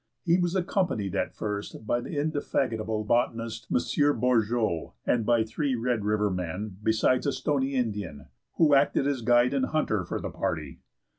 He was accompanied at first by the indefatigable botanist, M. Bourgeau, and by three Red River men, besides a Stoney Indian, who acted as guide and hunter for the party.